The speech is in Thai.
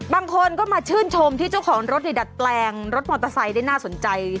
บางคนก็มาชื่นชมที่เจ้าของรถดัดแปลงรถมอเตอร์ไซค์ได้น่าสนใจ